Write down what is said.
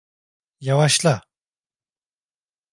Yavaşla!